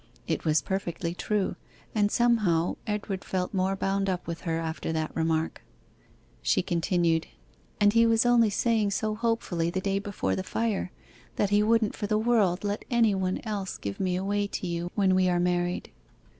It was perfectly true, and somehow Edward felt more bound up with her after that remark. She continued: 'And he was only saying so hopefully the day before the fire, that he wouldn't for the world let any one else give me away to you when we are married.